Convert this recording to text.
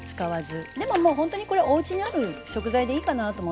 でももうほんとにこれおうちにある食材でいいかなと思ってて。